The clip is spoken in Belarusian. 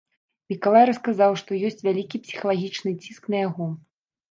Мікалай расказаў, што ёсць вялікі псіхалагічны ціск на яго.